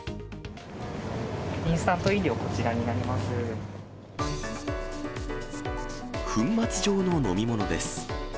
インスタント飲料、こちらに粉末状の飲み物です。